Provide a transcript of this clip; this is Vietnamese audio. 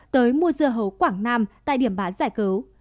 tới mua dưa hấu quảng nam tại điểm bán giải cứu